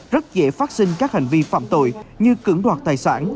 rất dễ phát sinh các hành vi phạm tội như cưỡng đoạt tài sản